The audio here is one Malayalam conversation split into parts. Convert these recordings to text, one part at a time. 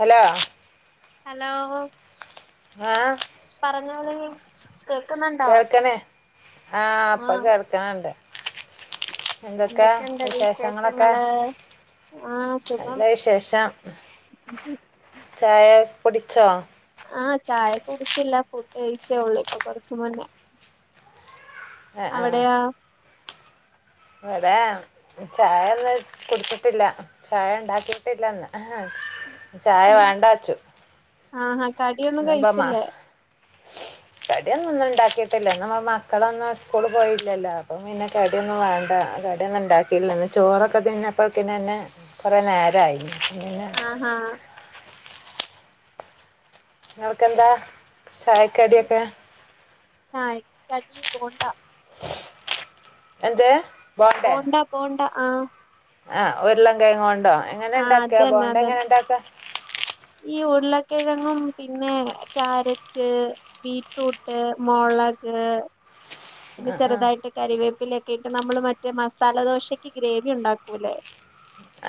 ഹലോ ഹലോ ആഹ് പറഞ്ഞോളി കേക്ക്ന്ന് കേൾക്ക്ണ് ആ ഇപ്പ കേൾക്ക്ണ് ണ്ട് എന്തൊക്കെ എന്തൊക്കെയുണ്ട് വിശേഷങ്ങളൊക്കെ വിശേഷങ്ങള് ആഹ് സുഖം നല്ല വിശേഷം ചായ കുടിച്ചോ ആ ചായ കുടിച്ചില്ല ഫുഡ് കഴിച്ചേ ഒള്ളൂ ഇപ്പൊ കോറച്ച് മുന്നേ ആ അവടെയോ ഇവടെ ചായ ഇന്ന് കുട്ച്ചിട്ടില്ല ചായ ഇണ്ടാക്കിട്ടില്ല ഇന്ന് ചായ വേണ്ടാച്ചു ആഹാ കടിയൊന്നും കഴിച്ചില്ലേ കടി ഒന്നും ഇന്ന് ഇണ്ടാക്കിട്ടില്ല ഇന്ന് മക്കളൊന്നും സ്കൂള് പോയില്ലല്ലോ അപ്പം പിന്നെ കടിയൊന്നും വേണ്ട കടിയൊന്നും ഇണ്ടാക്കിയില്ല ഇന്ന് ചോറക്ക തിന്നപ്പോക്ക്നന്നെ കൊറേ നേരായി ആഹാ നിങ്ങൾക്കെന്താ ചായ കടിയൊക്കെ ചായക്ക് കടി ബോണ്ട എന്ത്‌ ബോണ്ട ബോണ്ട ആഹ് ആ ഉര്ളം കെങ്ങോണ്ടോ എങ്ങനെ ആഹ് ഇണ്ടാക്ക അതന്നെ ബോണ്ട എങ്ങനെ അതന്നെ ഇണ്ടാക്ക ഈ ഉര്ള കിഴങ്ങും പിന്നെ ക്യാരറ്റ് ബീറ്റ്റൂട്ട് മൊളക് പിന്നെ ആ ആ ചെറ്തായിട്ട് കരിവേപ്പിലൊക്കെ ഇട്ട് നമ്മള് മറ്റേ മസാല ദോശക്ക് ഗ്രേവി ഉണ്ടാക്കൂലെ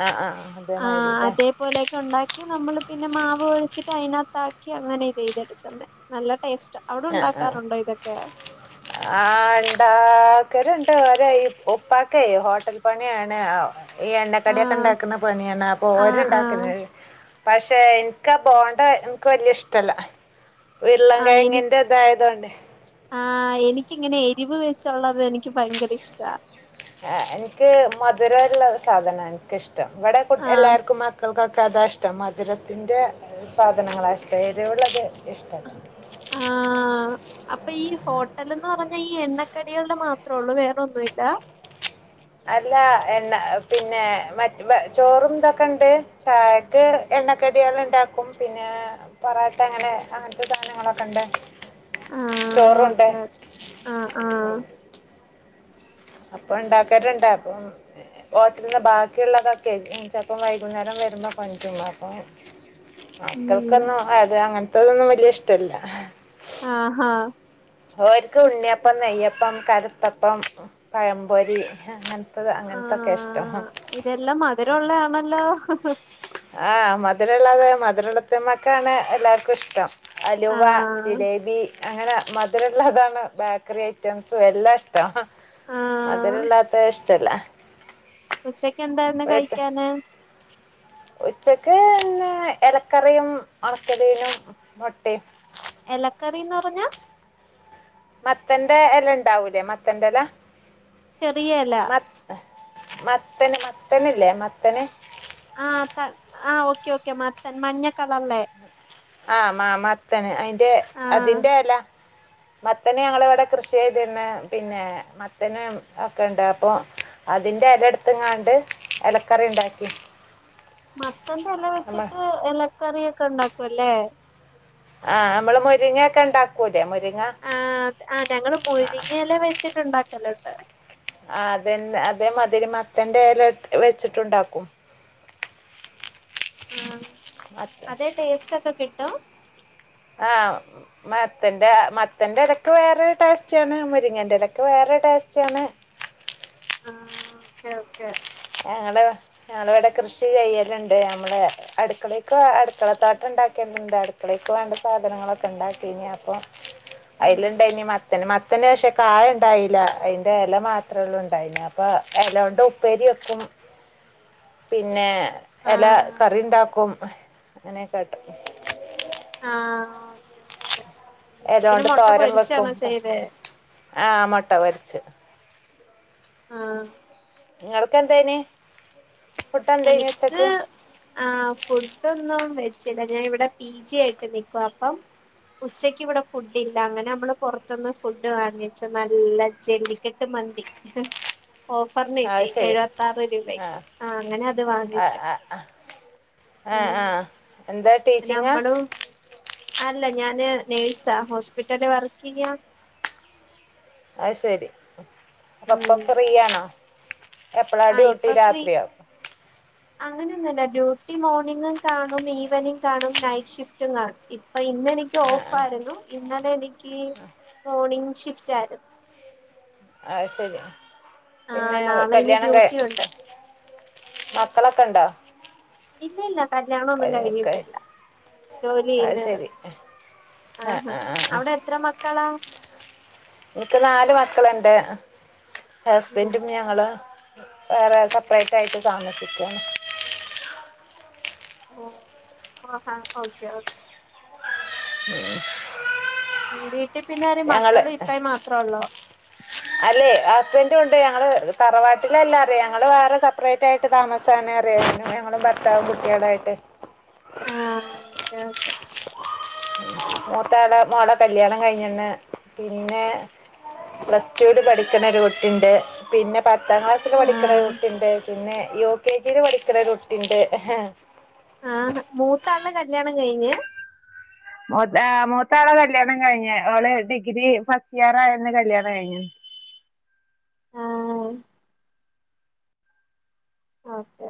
ആഹ് ആഹ് അതേമായ്‌രി ലെ പോലെയൊക്കെ ഉണ്ടാക്കി നമ്മള് പിന്നെ മാവ് ഒഴിച്ചിട്ട് അയിനകത്ത് ആക്കി അങ്ങനെ ചെയ്തെടുക്കുന്നെ നല്ല ടേസ്റ്റ് അവിടെ ഉണ്ടാക്കാറുണ്ടോ ഇതൊക്കെ ആഹ് ഉണ്ടാക്കല്ണ്ട് ഓരെ ഉപ്പാക്ക് ഹോട്ടൽ പണിയാണ് ഈ എണ്ണക്കടി ഒക്കെ ആഹ് ഉണ്ടാക്കുന്ന പണിയാണ് അപ്പൊ ആഹ് ആഹ് ഓര്ഇണ്ടാക്കല്ണ്ട് പക്ഷെ എനിക്കാ പോണ്ട എനിക്ക് വല്യയ ഇഷ്ടല്ല ഉരുളൻ ആഹ് എനി കിഴങ്ങിൻ ൻ്റതായതോണ്ട് ആഹ് എനിക്കിങ്ങനെ എരിവ് വെച്ചുള്ളത് എനിക്ക് ഭയങ്കര ഇഷ്ടാ എനിക്ക് മധുരുള്ള സാധനാണ് എനിക്ക്ഷ് ട്ടം ഇവിടെ പോ ആഹ് എല്ലാവർക്കും മക്കൾക്കൊക്കെ അതാ ഇഷ്ട്ടം മധുരത്തിൻ്റെ സാധനങ്ങളാഇഷ്ടം എരിവ് ഉള്ളത് ഇഷ്ടല്ല ആഹ് ആഹ് അപ്പൊ ഈ ഹോട്ടൽന്ന് പറഞ്ഞാ ഈ എണ്ണക്കടികള് മാത്രേ ഒള്ളൂ വേറെന്നുഇല്ലാ അല്ല എണ്ണ പിന്നെ മറ്റ് ചോറും ഇന്തൊക്കെ ഇണ്ട് ചായക്ക് എണ്ണക്കടികള് ഉണ്ടാക്കും പിന്നെ പൊറാട്ട അങ്ങനെ അങ്ങനത്തെ സാധങ്ങളൊക്കെ ഇണ്ട് ആഹ് ഓക്കെ ആഹ് ആഹ് അപ്പൊ ഉണ്ടാക്കാല്ണ്ട് അപ്പൊ ഹോട്ടലിന്ന് ബാക്കിയുള്ളതൊക്കെ ചെലപ്പം വൈകുന്നേരം വരുമ്പോ കൊണ്ടുവരും അപ്പൊ ഉം മക്കൾക്കൊന്നും അത് അങ്ങനത്തതൊന്നും വല്യയ ഇഷ്ട്ടല്ല ആഹാ ഓൽക്ക് ഉച്ച ഉണ്ണിയപ്പം നെയ്യപ്പം കൽത്തപ്പം പഴംപൊരി അങ്ങൻ ത്തത് അങ്ങൻത്തൊക്കെ ഇഷ്ടം. ആഹ് ഇതെല്ലാം മധുരമുള്ളയാണല്ലോ ആഹ് മധുരള്ളത് മധുരളത്തിമക്കാണ് എല്ലാർക്കും ഇഷ്ടം അലുവ ആഹ് ജിലേബി അങ്ങനെ മ മധുരമുള്ളാതാണ് ബേക്കറി ഐറ്റംസും എല്ലാം ഇഷ്ടം ആഹ് മധുരമല്ലാത്ത ഇഷ്ട ട്ടല്ല ഉച്ചക്ക് എന്താ ഇന്ന് കഴിക്കാന് ഉച്ചക്ക് പിന്നെ ഇലക്കറിയും ഉണക്കൽ മീനും മൊട്ടിം ഇലക്കറിന്ന് പറഞ്ഞ മത്തന്റെ ഇല ഉണ്ടാവൂലേ മത്തൻ്റെ ഇല ചെറിയല മത്ത മത്തന് മത്തന്ല്ലേ മത്തന് ആഹ് ത ആഹ് ഓക്കെ ഓക്കെ മത്തൻ മഞ്ഞക്കളറല്ലേ ആഹ് മാമത്തന് ഐന്റെ ആഹ് അതിന്റെ ഇല മത്തന് ഞങ്ങള് ഇവിടെ കൃഷി ചെയ്തീന്ന് പിന്നെ മത്തന് ഒക്കെ ഇണ്ട് അപ്പൊ അതിന്റെ ഇല എട്ത്ത്ങ്ങാണ്ട് ഇലക്കറി ഉണ്ടാക്കി മത്തന്റെ ഇല നമ്മൾ വെച്ചിട്ട് ഇലക്കറിയൊക്കെ ഉണ്ടാക്കും അല്ലേ ആഹ് നമ്മള് മുരിങ്ങ ഒക്കെ ഉണ്ടാക്കൂല്ലേ മുരിങ്ങ ആഹ് ആഹ് ഞങ്ങള് മുരിങ്ങെല വെച്ചിട്ട് ഉണ്ടാക്കല്ണ്ട് ആഹ് അതെന്നെ അതെ മതിരി മത്തൻന്റെ ഇല വെച്ചിട്ടുണ്ടാക്കും ആഹ് മത്തൻ അതേ ടേസ്റ്റ് ഒക്കെ കിട്ടും ആഹ് മത്തന്റെ മത്തന്റെ ഇലക്ക് വേറൊരു ടേസ്റ്റ് ആണ് മുരിങ്ങൻ്റെ ഇലക്ക് വേറെ ടേസ്റ്റ് ആണ് ആഹ് ഓക്കെ ഓക്കെ ഞങ്ങള് ഞങ്ങള് ഇവടെ കൃഷി ചെയ്യല്ണ്ട് അമ്മളെ അടുക്കളേക്ക് അടുക്കള തോട്ടം ഇണ്ടാക്കിയിട്ട്ണ്ട് അടുക്കളേക്ക് വേണ്ട സാധനങ്ങളൊക്കെ ഇണ്ടാക്കീനി അപ്പൊ ഉം അയില് ഇണ്ടായിനി മത്തൻ മത്ത മത്തന് പക്ഷെ കായ ഇണ്ടായില്ല അതിന്റെ എല മാത്രെ ഒള്ളു. ഇണ്ടായിനെ അപ്പൊ എലോണ്ട് ഉപ്പേരി വെ ക്കും പിന്നെ എല ആഹ് കറിണ്ടാക്കും അങ്ങനെയൊക്കെക്കാട്ടും ആഹ് ഓക്കെ ഓക്കെ ഇല പിന്നെ കൊണ്ട് മൊട്ട പൊരിച്ചാണോ ചെയ്തേ? ആഹ് മുട്ട പൊരിച്ച് ആഹ് ഇങ്ങള്ക്ക് എന്തേനി? എനിക്ക് ആഹ് ഫുഡൊന്നും വെച്ചില ഞാൻ ഇവിടെ പി ജി ആയിട്ട് നിക്കുവ അപ്പം ഉച്ചക്ക് ഇവടെ ഫുഡില്ല അങ്ങനെ നമ്മള് പൊറത്ത്ന്ന് ഫുഡ് വാങ്ങിച്ച് നല്ല ജെല്ലിക്കെട്ട് മന്തി ഓഫറിന് ആ കിട്ടി ശരി എഴുപത്താറ് രൂപക്ക് ആഹ് അങ്ങനെ അത് ആഹ് വാങ്ങിച്ചു ആഹ് ആഹ് ഉം ആഹ് എന്താ ടീച്ചിങ്ങാ നമ്മളും അല്ല ഞാന് നേഴ്സാ ഹോസ്പിറ്റലി വർക്കെയ്യ അഹ് ശരി അപ്പൊ ഇപ്പൊ ഫ്രീയാണോ? ആഹ് ഇപ്പൊ ഫ്രീ അങ്ങനെയൊന്നും അല്ല ഡ്യൂട്ടി മോർണിംഗും കാണും ഈവനിംഗ് കാണും നൈറ്റ് ഷിഫ്റ്റും കാണും ഇപ്പൊ ഇന്നെനി ക്ക് ആഹ് ഓഫായിരുന്നു ഇന്നലെ എനിക്ക് മോർണിംഗ് ഷിഫ്റ്റായിരുന്നു അഹ് ശരി ആ പിന്നെ നാളെ ഇനി കല്യാണം കഴി ഡ്യൂട്ടി ഉണ്ട് മക്കളൊക്കെണ്ടോ? ഇല്ലയില്ല കല്ല്യാണം ഒന്നും കഴിഞ്ഞിട്ടില്ല ജോലി അത് ചെയ്യുന്നേ ഒള്ളു ശരി ആഹ് ആഹാ ആഹ് ആഹ് അവിടെ എത്ര മക്കളാ? ഇനിക്ക് നാല് മക്കള്ണ്ട് ഉം ഹസ്ബൻഡും ഞങ്ങള് വേറെ സപ്പറേറ്റ് ആയിട്ട് താമസിക്കാണ് ഓഹ് ഓക്കെ ഓക്കെ ആഹ് ഉം വീട്ടി പിന്നെ ആര് മക്കളും ഇത്തായും മാത്രേയൊള്ളോ? അല്ലേ ഹസ്ബൻഡും ഇണ്ട് ഞങ്ങള് തറവാട്ടിലല്ല പറയ ഞങ്ങള് വേറെ സെപ്പറേറ്റ് ആയിട്ട് താമസാണ് പറയായിരുന്നു ഞങ്ങളും ഭർത്താവും കുട്ടികളുവായിട്ട് ആഹ് ഓക്കേ ഓക്കേ മൂത്താളെ മോളെ കല്യാണം കഴിഞ്ഞ്ണ് പിന്നെ പ്ല സ് ടു വില് പഠിക്ക്ണ ഒരു കുട്ടിയിണ്ട് പിന്നെ പത്താം ക്ലാസ്സില് ആ പഠിക്ക്ണ ഒരു കുട്ടിണ്ട്. പിന്നെ യു. കെ. ജി യില് പഠിക്ക്ണൊരു കുട്ടിണ്ട് ആഹ് മൂത്താളുടെ കല്യാണം കഴിഞ്ഞ്? ആഹ് മൂത്താളെ കല്യാണം കഴിഞ്ഞ് ഓളെ ഡിഗ്രി ഫസ്റ്റ് ഇയറായന്ന് കല്യാണം കഴിഞ്ഞ്ണ് ആ ഓക്കെ